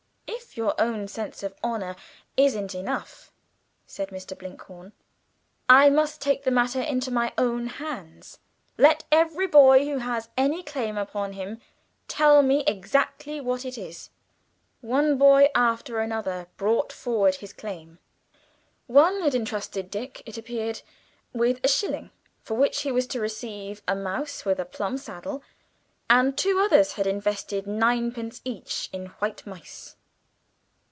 "If your own sense of honour isn't enough," said Mr. Blinkhorn, "I must take the matter into my own hands. Let every boy who has any claim upon him tell me exactly what it is." One boy after another brought forward his claim. One had entrusted Dick, it appeared, with a shilling, for which he was to receive a mouse with a "plum saddle," and two others had invested ninepence each in white mice.